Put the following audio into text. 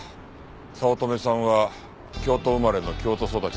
早乙女さんは京都生まれの京都育ちだ。